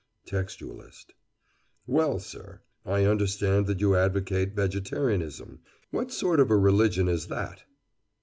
TEXTUALIST: Well, sir, I understand that you advocate vegetarianism. What sort of a religion is that?